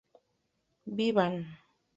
vivan